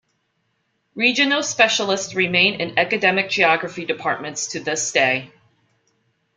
Regional specialists remain in academic geography departments to this day.